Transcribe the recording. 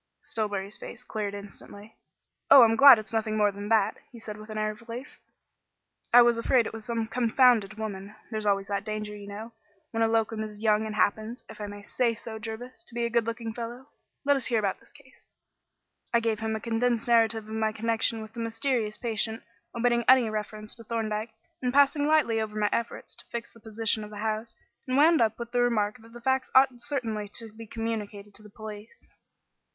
Stillbury's face cleared instantly. "Oh, I'm glad it's nothing more than that," he said with an air of relief. "I was afraid, it was some confounded woman. There's always that danger, you know, when a locum is young and happens if I may say so, Jervis to be a good looking fellow. Let us hear about this case." I gave him a condensed narrative of my connection with the mysterious patient, omitting any reference to Thorndyke, and passing lightly over my efforts to fix the position of the house, and wound up with the remark that the facts ought certainly to be communicated to the police.